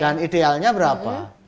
dan idealnya berapa